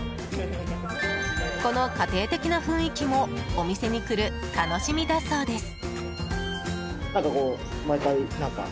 この家庭的な雰囲気もお店に来る楽しみだそうです。